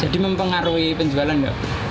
jadi mempengaruhi penjualan enggak